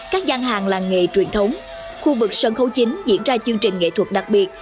các gian hàng làng nghề truyền thống khu vực sân khấu chính diễn ra chương trình nghệ thuật đặc biệt